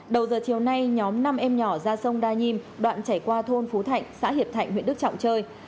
đầu giờ chiều nay nhóm năm em nhỏ ra sông đa nhiêm đoạn chảy qua thôn phú thạnh xã hiệp thạnh huyện đức trọng chơi